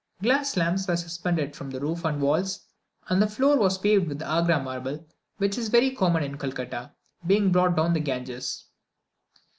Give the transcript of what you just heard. Glass lamps were suspended from the roof and walls, and the floor was paved with Agra marble, which is very common in Calcutta, being brought down the Ganges.